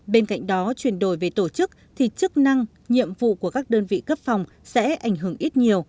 bên cạnh đó chuyển đổi về tổ chức thì chức năng nhiệm vụ của các đơn vị cấp phòng sẽ ảnh hưởng ít nhiều